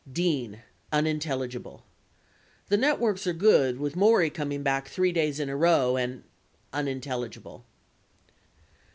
Dean, [unintelligible] The networks are good with Maury coming back 3 days in a row and. [unintelligible]